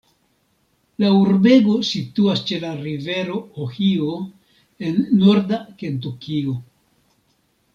La urbego situas ĉe la rivero Ohio en norda Kentukio.